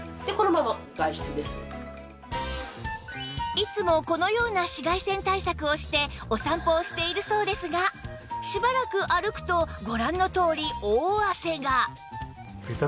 いつもこのような紫外線対策をしてお散歩をしているそうですがしばらく歩くとご覧のとおり大汗が